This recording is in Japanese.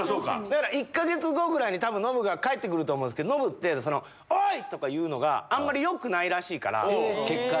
だから１か月後ぐらいに多分ノブが帰って来ると思うんですけどノブって「おい！」とか言うのがあんまり良くないらしいから血管に。